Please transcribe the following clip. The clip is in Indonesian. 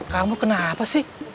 kamu kenapa sih